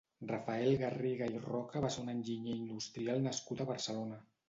Rafael Garriga i Roca va ser un enginyer industrial nascut a Barcelona.